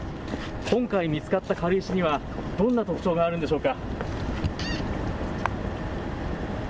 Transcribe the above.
今回見つかった軽石にはどんな特徴があるんでしょうか。